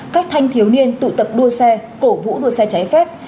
các thanh thiếu niên tụ tập đua xe cổ vũ đua xe trái phép